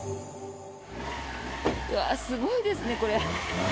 すごいですね、これ。